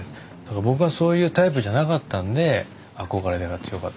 僕がそういうタイプじゃなかったんで憧れが強かったんじゃないですか？